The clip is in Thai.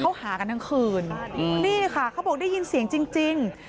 เขาหากันทั้งคืนนี่ค่ะเขาบอกได้ยินเสียงจริง